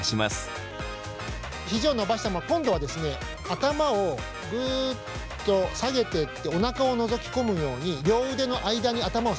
肘を伸ばしたまま今度は頭をグッと下げてっておなかをのぞき込むように両腕の間に頭を下げます。